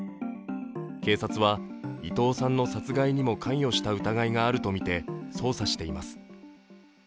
警察は、伊藤さんの殺害にも関与した疑いがあるとみて捜査しています。